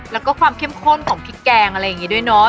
แล้วก็ความเข้มข้นของพริกแกงอะไรอย่างนี้ด้วยเนาะ